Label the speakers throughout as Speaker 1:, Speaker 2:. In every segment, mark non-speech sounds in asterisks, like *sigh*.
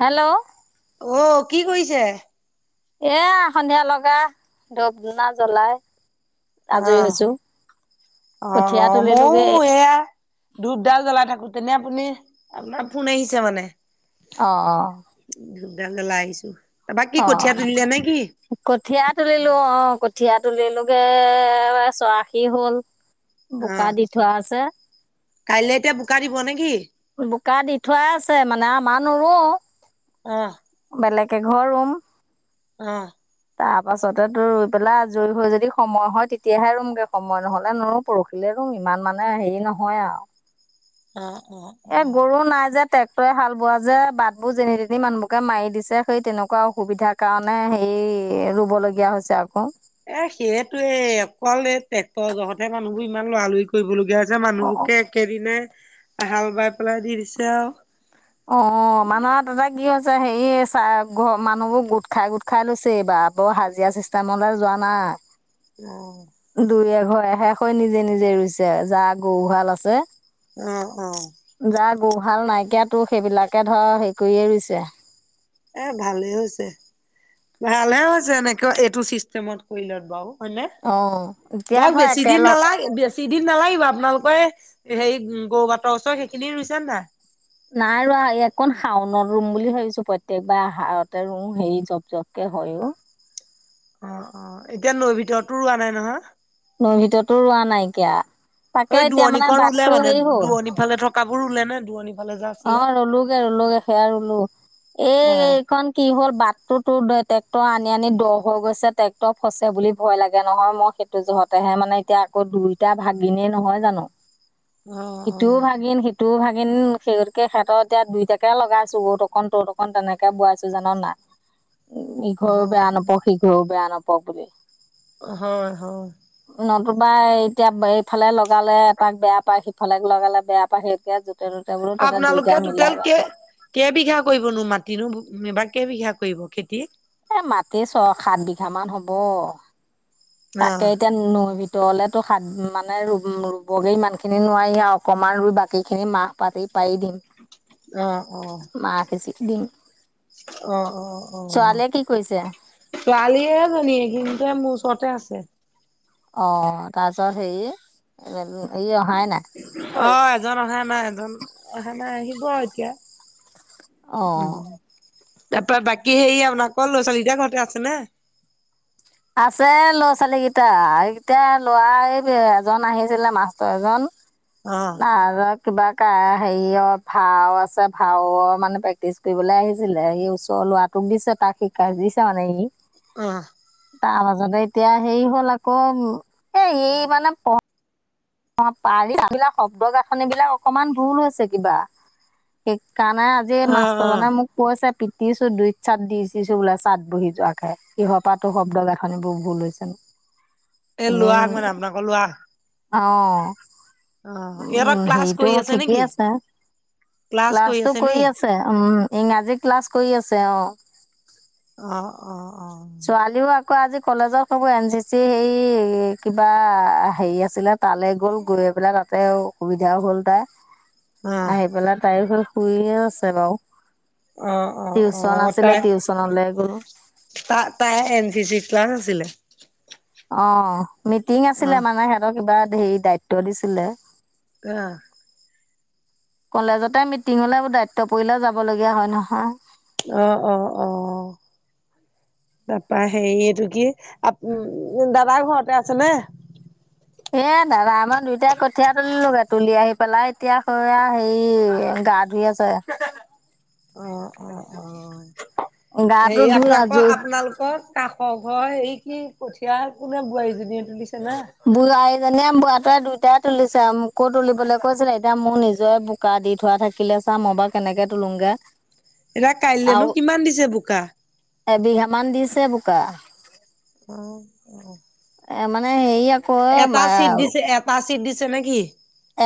Speaker 1: Hello,
Speaker 2: অ কি কৰিছে।
Speaker 1: এ সন্ধিয়া লগা ধুপ ধুনা জ্বলাই। আজৰি হৈছোঁ
Speaker 2: অ অ
Speaker 1: কঠীয়া তুলিলোগে
Speaker 2: ময়ো এয়া। ধূপডাল জ্বলাই থাকোতে নে আপুনি আপোনাৰ ফোন আহিছে মানে।
Speaker 1: অ অ।
Speaker 2: ধূপ দাল জ্বলাই আহিছো। বাকী কঠীয়া তুলিলে নে কি?
Speaker 1: কঠিয়া তুলিলো অ কঠীয়া তুলিলোগে চৰাশী হ'ল। বোকা দি থোৱা আছে।
Speaker 2: কাইলে এতিয়া বোকা দিব নেকি।
Speaker 1: বোকা দি থোৱাই আছে মানে আমাৰ নোৰো।
Speaker 2: অ,
Speaker 1: বেলেগে একঘৰ ৰুম।
Speaker 2: অহ,
Speaker 1: তাৰ পাছতে তোৰ ৰুই পেলাই আজৰি হৈ যদি সময় হয় তেতিয়াহে ৰুমগে সময় নহলে নোৰো। পৰহিলে ৰুম ইমান মানে হেৰি নহয় আৰু
Speaker 2: অ অ,
Speaker 1: এ
Speaker 2: অ'।
Speaker 1: গৰু নাই যে। ট্ৰেক্টৰে হাল বোৱা যে বাটবোৰ যেনি তেনি মানুহবকে মাৰি দিছে সেই তেনেকুৱা অসুবিধা। কাৰণে হে ৰুবলগীয়া হৈছে আকৌ।
Speaker 2: এ সেইটোৱে অকল এই ট্ৰেক্টৰ জহতে মানুহবোৰ ইমান লৰালৰি কৰিবলগীয়া, যে মানুহবোকে একেদিনাই হাল বাই পেলাই দি দিছে আৰু।
Speaker 1: অ মানুহ আৰু তাতে কি হৈছে হেৰি চ ঘ মানুহবোৰ গোট খাই গোট খাই লৈছে এইবাৰ বৰ হাজিৰা চিষ্টেমলে যোৱা নাই।
Speaker 2: অ,
Speaker 1: দুই এঘৰ এ হৈ নিজে নিজে ৰুইছে যা গৰুহাল আছে।
Speaker 2: অ, অ,
Speaker 1: যাৰ গৰুহাল নাইকিয়া তোৰ সেইবিলাকে ধৰ হেৰি কৰিয়ে ৰুইছে।
Speaker 2: এ ভালে হৈছে ভালহে হৈছে এনেকে এইটো চিষ্টেমত কৰি লত বাৰু। হয় নে
Speaker 1: অঁ এতিয়া
Speaker 2: ধৰক
Speaker 1: ধৰ
Speaker 2: বেছি দিন
Speaker 1: একেলগ
Speaker 2: নালাগে। বেচি দিন নালাগিব আপোনালোকে হেৰি গৰু বাটৰ ওচৰ সেইখিনি ৰুইছে নে নাই।
Speaker 1: নাই ৰোৱা, এইকণ শাওনত ৰুম বুলি ভাবিছো, প্ৰত্যেকবাৰ আহাৰতে ৰুও, হেৰি জপ-জপ কে হয় অ।
Speaker 2: অ-অ, এতিয়া নৈ ভিতৰতো ৰোৱা নাই নহয়?
Speaker 1: নৈ ভিতৰতো ৰোৱা নাইকিয়া, তাকে এতিয়া মানে বাটটো হেৰি হ'ল।
Speaker 2: ইফালে থকাবোৰ ৰোলে নে, দূৰণি ফালে যে
Speaker 1: অ
Speaker 2: আছিলে?
Speaker 1: ৰোলোগে, ৰোলোগে সেইয়া ৰোলো, এই
Speaker 2: অ',
Speaker 1: এইখন কি হ'ল, বাটটো তোৰ ট্ৰেক্টৰ আনি-আনি দ হৈ গৈছে, ট্ৰেক্টৰ ফচে বুলি ভয় লাগে নহয় মই যহতেহে মানে এতিয়া আকৌ দুইটা ভাগিনেই নহয় জানো
Speaker 2: *inaudible*
Speaker 1: ইটোও
Speaker 2: অ', অ',
Speaker 1: ভাগিন, সিটোও ভাগিন *unintelligible* সেহতৰ এতিয়া দুইটাকে লগাইছো অৰ অকন, তত অকন, তেনেকে বোৱাইছো জান নাই। উম ইঘৰো
Speaker 2: হয়,
Speaker 1: বেয়া নাপাওক, সিঘৰো বেয়া নাপাওক বুলি।
Speaker 2: হয়-হয়।
Speaker 1: নতুবা এতিয়া এইফালে লগালে এ তাক বেয়া পায়, সিফালে লগালে বেয়া পায়, সেই এতিয়া য'তে-ত'তে বোলো তহঁতে
Speaker 2: আপোনালোকে
Speaker 1: দুইটাই মিলাই
Speaker 2: টুটেল
Speaker 1: বাই
Speaker 2: কে
Speaker 1: থাক
Speaker 2: কেইবিঘা কৰিবনো মাটিনো, এবাৰ কেইবিঘা কৰিব খেতি?
Speaker 1: এ মাটি ছয়-সাত বিঘা মান হ'ব। তাকে
Speaker 2: অ',
Speaker 1: এতিয়া নৈ ভে দলেতো সাত মানে ৰুবগৈ ইমানখিনি নোৱাৰি আৰু, অকণমান ৰুই বাকীখিনি মাহ পাতি পাৰি দিম।
Speaker 2: *inaudible* অহ-অহ,
Speaker 1: মাহ সিঁচি দিম
Speaker 2: অহ-অহ-অহ।
Speaker 1: ছোৱালীয়ে কি কৰিছে
Speaker 2: ছোৱালী এইজনী, দিনটোৱে মোৰ ওচৰতে আছে।
Speaker 1: অ তাৰপিছত হেৰি ই অহাই নাই।
Speaker 2: অ', এজন অহা নাই, এজন অহা নাই, আহিব আৰু এতিয়া
Speaker 1: অঁ
Speaker 2: উম। তাৰপৰা বাকী হেৰি আপোনাৰ, ল'ৰা-ছোৱালী কেইটা ঘৰতে আছে নে?
Speaker 1: আছে ল'ৰা-ছোৱালী কেইটা, এইকেইটা ল'ৰা এই এজন আহিছিলে মাষ্টৰ এজন
Speaker 2: অ।
Speaker 1: নাটৰ কিবা হেৰি অ ভাও আছে, ভাওৰ মানে প্ৰেক্টিচ দিবলৈ আহিছিলে, সি ওচৰৰ ল'ৰাটোক দিছে, তাক শিকাই দিছে মানে সি।
Speaker 2: অহ
Speaker 1: তাৰ পাছতে এতিয়া হেৰি হ'ল আকৌ, এ ই মানে প অ *unintelligible* শব্দ গাঁথনিবলাক অকমান ভুল হৈছে কিবা, সেইকাৰণে আজি
Speaker 2: অ',
Speaker 1: মাষ্টাৰ
Speaker 2: অ',
Speaker 1: জনে মোক কৈছে, পিতিছো দুইত চাট দি-দিছো বোলে চাট বহি যোৱাকে, কিহৰ পৰা টো শব্দ গাঠনি গাঁথনিবোৰ ভুল হৈছে নে?
Speaker 2: এ ল'ৰাক মানে আপোনালোকৰ ল'ৰাক?
Speaker 1: অ।
Speaker 2: অ', ইহঁতৰ
Speaker 1: উম
Speaker 2: ক্লাছ
Speaker 1: হেৰিতো
Speaker 2: কৰি
Speaker 1: ঠিকেই
Speaker 2: নেকি?
Speaker 1: আছে,
Speaker 2: ক্লাছ
Speaker 1: ক্লাছটো
Speaker 2: আছে নি?
Speaker 1: কৰি আছ উম' ইংৰাজী ক্লাছ কৰি আছে অ।
Speaker 2: অ-অ-অ।
Speaker 1: ছোৱালীও আকৌ আজি কলেজৰ *unintelligible* এন চি চি হেৰি কিবা হেৰি আছিলে তালে গ'ল, গৈ পেলাই তাতে অসুবিধাও হ'ল তাই, আহি পেলাই তাই হ শুইয়ে আছে বাৰু,
Speaker 2: অ', অ', অ',
Speaker 1: টিউচন আছিলে টিউচনলে গ'ল।
Speaker 2: তা-তাই এন-চি-চি ক্লাছ আছিলে?
Speaker 1: অ মিটিং আছিলে
Speaker 2: অ',
Speaker 1: মানে, সিহঁতৰ কিবা হেৰি দায়িত্ব দিছিলে।
Speaker 2: আহ।
Speaker 1: কলেজতে মিটিংঙলে দায়িত্ব পৰিলে যাব লগীয়া হয় নহয়।
Speaker 2: অ-অ-অ। তাৰপা হেৰি এইটো কি আপ দাদা ঘৰতে আছে নে।
Speaker 1: এ দাদা আমই দুইটাই কঠিয়া তুলিলোগে তুলি আহি পেলাই এতিয়া স হে গাত, *unintelligible*
Speaker 2: অ অ অ
Speaker 1: গাটো
Speaker 2: হেৰি
Speaker 1: ধুই
Speaker 2: আপোনাকৰ
Speaker 1: আজৰি
Speaker 2: আপোনালোকৰ। কাষৰ ঘৰ হয় এই কি কঠীয়া কোনে বোৱাৰীজনীয়ে তুলিছে না।
Speaker 1: বোৱাৰী জনীয়ে বোৱাতিয় তৰে দুইটাই তুলিছে আৰু মোকো তুলিবলৈ কৈছিলে এতিয়া মোৰ নিজৰে, বোকা দি থোৱা থাকিলে চা মই বাৰু কেনেকে তোলোগে।
Speaker 2: এতিয়া কাইলৈনো কিমান দিছে বোকা।
Speaker 1: এবিঘামান দিছে বোকা।
Speaker 2: অ অ,
Speaker 1: এ মানে হেৰি আকৌ এ,
Speaker 2: পা চিট দিছে নেকি।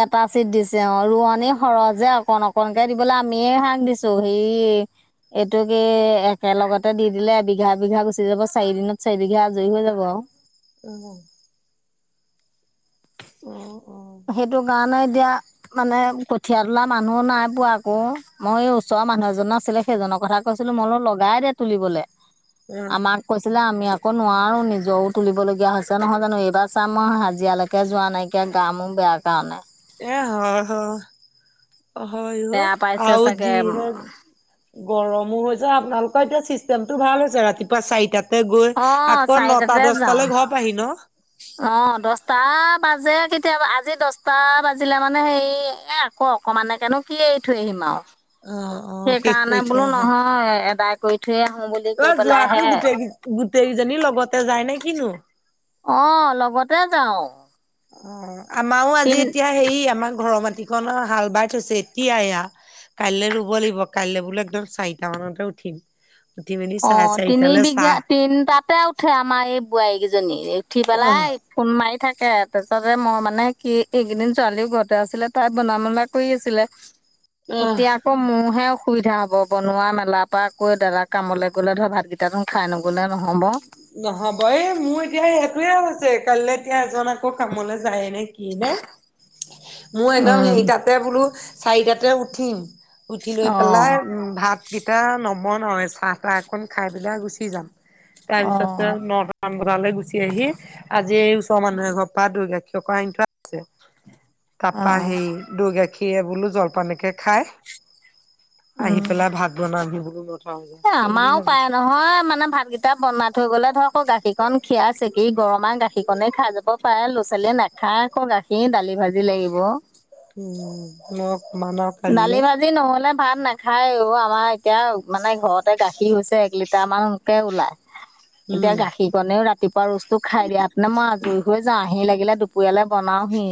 Speaker 1: এটা চিট দিছে অ ৰোৱনী সৰহজে অকন অকনকে দিবলৈ আমিয়ে শাক দিছো হেই, এইটো কি একেলগতে দি দিলে বিঘা বিঘা গুচি যাব চাৰি দিনত চাৰি বিঘা আজুৰি হৈ যাব আৰু
Speaker 2: উম অ অ,
Speaker 1: সেইটো কাৰনে এতিয়া, মানে কঠিয়া তোলা মানুহো নাই পোৱা আকৌ মই এই ওচৰৰ মানুহ এজন আছিলে সেইজনৰ কথা, কৈছিলো মই বোলো লগাই দে তুলিবলৈ,
Speaker 2: *inaudible*
Speaker 1: আমাক, কৈছিলে আমি আকৌ নোৱাৰো নিজৰও তুলিবলগীয়া হৈছে নহয় জানো এইবাৰ চাম মই হাজিৰালৈকে যোৱা নাইকিয়া কে, কামো বেয়া কাৰণে।
Speaker 2: এ হয় হয় হয়
Speaker 1: বেয়া পাইছে
Speaker 2: আৰু
Speaker 1: চাগে
Speaker 2: যিহে, গৰমো হৈ যায় আপোনালোকৰ এতিয়া চিষ্টেমটো ভাল হৈছে ৰাতিপুৱা চাৰিটাত। তা গৈ
Speaker 1: অ
Speaker 2: আকৌ নটা
Speaker 1: চাৰিটাতে যাওঁ
Speaker 2: দছটালৈ ঘৰ পাই সি ন,
Speaker 1: অ দছটা বাজে কেতিয়াবা আজি দহটা বাজিলে মানে হেৰি এক, অ অকমান কেনো কি এৰি থৈ আহিম আৰু
Speaker 2: অ, অ', শেষ
Speaker 1: সেইকাৰণে
Speaker 2: কৰি থৈ
Speaker 1: বোলো
Speaker 2: আহা।
Speaker 1: নহয় এদাই কৰি থৈয়ে আহো বুলি,
Speaker 2: অ
Speaker 1: কৈ
Speaker 2: যোৱাতো
Speaker 1: পেলাইহে
Speaker 2: গোটেই গোটেই কেইজনী লগতে যায় নে কিনো।
Speaker 1: অ লগতে যাও,
Speaker 2: অ আমাৰো আজি এতিয়া হেৰি আমাৰ ঘৰৰ মাটিক হাল বাই থৈছে এতিয়া এয়া, কাইলৈ ৰুব লাগিব কাইলৈ বোলে একদম চাৰিটা মানতে উঠিম। উঠি মেলি
Speaker 1: অ
Speaker 2: চাৰে
Speaker 1: তিনি
Speaker 2: চাৰিটালৈ
Speaker 1: বিঘা
Speaker 2: চাহ
Speaker 1: তিনটাতে উঠে আমাৰ এই বোৱাৰীকেইজনী উঠি পেলাই।
Speaker 2: অ',
Speaker 1: ফোন মাৰি থাকে তাৰপিছতে মই মানে কি এইকেইদিন ছোৱালীও ঘৰতে আছিলে তাই বন মলা কৰি আছিলে।
Speaker 2: *inaudible*
Speaker 1: এতিয়া আকৌ মোৰহে অসুবিধা হব বনোৱা মেলাৰ পৰা আকৈ দাদা কামলে গলে ধৰ ভাতকেইটা, কিটা নো খাই নগলে নহব।
Speaker 2: নহব এই মোৰ এতিয়া সেই টোৱে হৈছে কাইলৈ এতিয়া এজন আকৌ কামলৈ যায় নেকি। সি নে মই একদম
Speaker 1: উম,
Speaker 2: সেইটাতে বোলো চাৰিটাতে উঠিম, উঠি লৈ পেলাই
Speaker 1: অ',
Speaker 2: উম ভাতকেইটা নবনাওৱে চাহ তাহ একখন খাই পেলাই গুচি যাও। তাৰপিছতে
Speaker 1: অ',
Speaker 2: ন পান বটাললৈ গুচি আহি আজি এই ওচৰৰ মানুহে ঘৰ পৰা দুৰ গাখীৰ আনি থোৱা আছে। তাৰপা
Speaker 1: অ',
Speaker 2: সেই দৈ গাখীৰ বোলো জলপানকে খাই, আহি
Speaker 1: উম।
Speaker 2: পেলাই ভাত বনাম হি বোলো ন
Speaker 1: এ আমাও পায় নহয় মানে ভাতকেইটা বনাই থৈ গ'লে ধৰক গাখীৰকন খিয়াই চেকি গৰমাই গাখীৰ কনে খাই যাব পাৰে। ল'ৰা-ছোৱালীয়ে নাখায় আক' গাখীৰ দালি ভাজি লাগিব। দালি
Speaker 2: *unintelligible*
Speaker 1: ভাজি নহ'লে ভাত নাখায় অ'। আমাৰ এতিয়া মানে ঘৰতে গাখীৰ হৈছে এক লিটাৰ মানকে ওলাই। এতিয়া
Speaker 2: উম।
Speaker 1: গাখীৰ ৰাতিপুৱা ৰোজটো খাই দিয়াত নো মই আজৰি হৈ যাওঁ। আহি লাগিলে দুপৰীয়ালে বনাওহি।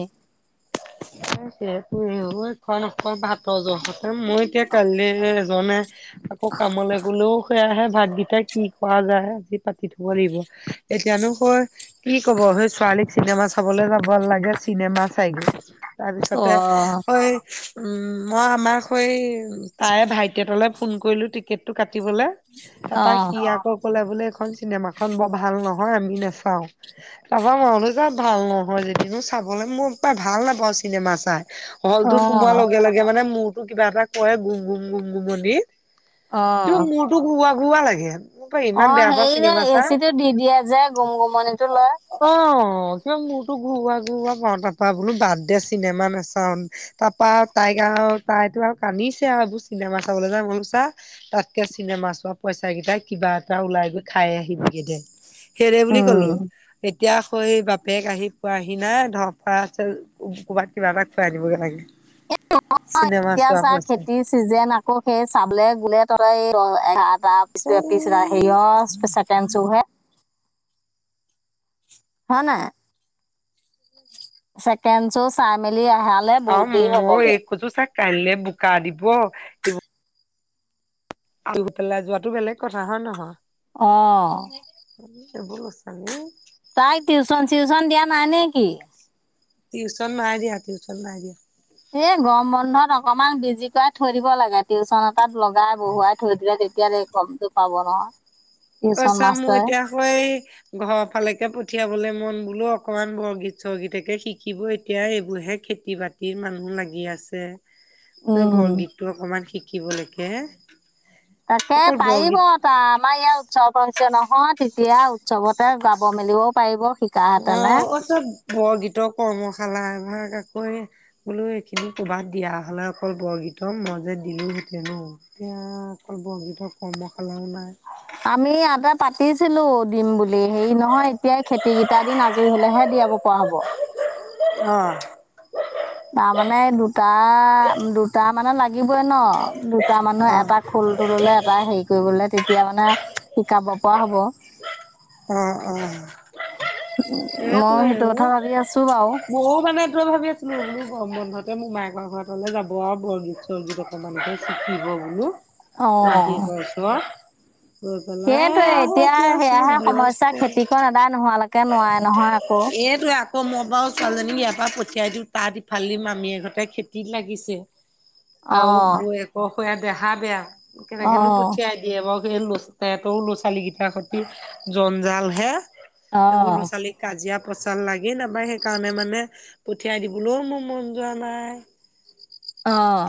Speaker 2: *unintelligible* মই এতিয়া কাইলে যাওঁনে, আকৌ কামলে গ'লেও সেয়াহে ভাতকেইটা কি কৰা যায় আজি পাতি থব লাগিব। এতিয়ানো ক কি ক'ব সেই ছোৱালীক চিনেমা চাবলে যাব লাগে চিনেমা চাইগৈ। তাৰপিছতে
Speaker 1: অ',
Speaker 2: ঐ উম, মই আমাৰ হৈ তাৰে ভাইটী এটালে ফোন কৰিলো টিকেটটো কাটিবলে। তাপা
Speaker 1: অ',
Speaker 2: সি আকৌ ক'লে বোলে এইখন চিনেমাখন বৰ ভাল নহয় আমি নাচাওঁ। তাপা মই বোলো যা ভাল নহয় যদিনো চাবলৈ মোৰ পায় ভাল নাপাওঁ চিনেমা চাই, হলটোত সোমোৱাৰ
Speaker 1: অ',
Speaker 2: লগে লগে তেতিয়া মানে মূৰটো কিবা এটা কয় গুম গুম গুম গুমনি তোৰ
Speaker 1: অ'।
Speaker 2: তোৰ ঘুৱা ঘুৱা লাগে। মোৰ ইমান
Speaker 1: অ'
Speaker 2: বেয়া পাওঁ
Speaker 1: হেৰি যে
Speaker 2: চিনেমা চাই।
Speaker 1: এচিটো দি দিয়ে যে, গুম-গুমনিটো লয়।
Speaker 2: অ' কিবা মোৰটো ঘুৰুৱা ঘুৰুৱা পাওঁ। তাৰ পৰা বোলো বাদ দে চিনেমা নাচাওঁ। তাপা তাইক আ তাইতো আও কান্দিছে আও এইবোৰ চিনেমা চাবলে যাওঁ। মই বোলো চা তাতকে চিনেমা চোৱা পইচাকেইটাই কিবা এটা ওলাই গৈ খাই আহিবিগে দে। সেই বুলি
Speaker 1: উম
Speaker 2: ক'লো, এতিয়া সই বাপেক আহি পোৱাহি নাই ধৰ ফৰাই আছে ক'বাত কিবা এটা খুৱাই আনিবগৈ লাগে।
Speaker 1: *unintelligible*
Speaker 2: চিনেমা
Speaker 1: এতিয়া
Speaker 2: চোৱা
Speaker 1: চা
Speaker 2: পইচা
Speaker 1: খেতিৰ চিজেন আকৌ সেই চাবলে গোলে তহঁতৰ এই দহ এঘা তাৰ *unintelligible* হেৰিয় ছেকেণ্ড শ্ব হে। হয় নাই। ছেকেণ্ড শ্ব চাই মেলি আহালে বহুত দেৰি হ'বগে।
Speaker 2: কৈছো চা কাইলে বোকা দিব ৰুই পেলাই যোৱাটো বেলেগ কথা হয় নহয়?
Speaker 1: অ'
Speaker 2: সেইবোৰ সচা নে?
Speaker 1: তাইক টিউচন চিউচন দিয়া নাই নেকি?
Speaker 2: টিউচন নাই দিয়া, টিউচন নাই দিয়া।
Speaker 1: এই গৰম বন্ধত অকমান বিজি কৰা থৈ দিব লাগে। টিউচন এটাত লগাই বহুৱাই থৈ দিলে তে এতিয়া *unintelligible* গমটো পাব ন'
Speaker 2: ঐ চা মোৰ এতিয়া হৈ ঘৰৰ ফালেকে পঠিয়াবলে মন বোলো অকনমান বৰগীত চৰগীতকে শিকিব এতিয়া এইবোৰ হে খে খেতি বাতিৰ মানুহ লাগি আছে
Speaker 1: উম
Speaker 2: বৰগীতটো অকমান শিকিবলেকে
Speaker 1: তাকে পাৰিব তাৰ আমাৰ ইয়াৰ উৎসৱ হৈছে নহয়, তেতিয়া উৎসৱতে যাব মেলিব পাৰিব শিকাহেঁতেনে
Speaker 2: অ' অ' চব বৰগীতৰ কৰ্মশালা এভাগ আকৌ এ বোলো এইখিনি ক'বাত দিয়া হলে অকল বৰগীত মই যে দিলোও হতেন এতিয়া অকল বৰগীতৰ কৰ্মশালাও নাই
Speaker 1: আমি এটা পাতিছিলো দিম বুলি হেৰী নহয় এতিয়াই খেতিকেইটা দিন আজৰি হলেহে দিয়াব পৰা হ'ব
Speaker 2: অ
Speaker 1: তাৰমানে দুটা দুটা মানে লাগিবই ন দুটা মানুহ
Speaker 2: অ'
Speaker 1: এটা খোলটো ললে এটা হেৰি কৰিবলে তেতিয়া মানে শিকাব পৰা হ'ব
Speaker 2: অ অ
Speaker 1: মই
Speaker 2: এইটোৱেই
Speaker 1: সেইটো
Speaker 2: অ
Speaker 1: কথা ভাবি আছো বাৰু
Speaker 2: মোৰো মানে ভাবি আছিলো মোৰ গৰম বন্ধতে মোৰমায়েকৰ ঘৰতে যাব আৰু বৰগীত চৰ্গীত অকণমানকে শিকিব বোলো মাহীয়েকৰ ওচৰত গৈ পেলাই
Speaker 1: সেইটোয়ে
Speaker 2: আহ
Speaker 1: এতিয়া
Speaker 2: চব
Speaker 1: সেয়াহে সমস্যা
Speaker 2: ব্যস্ত
Speaker 1: খেতিকণ এদায় নোহোৱা লোকে তাকে নোৱাৰে নহয় আকৌ
Speaker 2: এইটোৱে আকৌ মই বাৰু ছোৱালীজনীক ইয়াৰ পৰা পঠিয়াই দিওঁ তাত ইফালে মামিয়েক হতে খেতি লাগিছে আৰু
Speaker 1: অ
Speaker 2: বৌয়েক সেয়া দেহা বেয়া কেনেকেনো
Speaker 1: অ',
Speaker 2: পঠিয়াই দিয়ে বাও সে লোচহেতৰ ল'ৰা ছোৱালী কেইটাৰ সতি জঞ্জাল হে এইবোৰ ল'ৰা
Speaker 1: অ',
Speaker 2: ছোৱালীক কাজিয়া পচাল লাগি নাপাই সেইকাৰণে মানে পঠিয়াই দিবলৈও মোৰ মন যোৱা নাই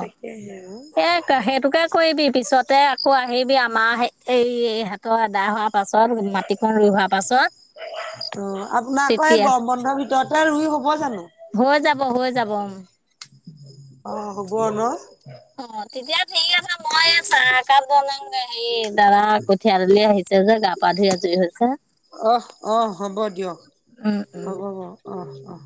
Speaker 2: তাকেহে আৰু
Speaker 1: এ সেইটোকে কৰিবি পিছতে আকৌ আহিবি আমাৰ এই এই হেতৰ আদায় হোৱাৰ পাছত মাটিকন ৰুই হোৱাৰ পাছত
Speaker 2: অ আপোনাৰ আকৌ এই
Speaker 1: তেতিয়া
Speaker 2: গম বন্ধৰ ভিতৰতে ৰুই হব জানো
Speaker 1: হয় যাব হৈ যাব
Speaker 2: অ হ'ব ন
Speaker 1: অ তেতিয়া ঠিক আছে মই চাহ একাপ বনাঙ এই হাই দাৰা কঠিয়া তুলি আহিছে যে গা পা ধুই আজুৰি হৈছে।
Speaker 2: অহ অহ হ'ব দিয়ক
Speaker 1: উম, উম।
Speaker 2: হ'ব হব অহ অহ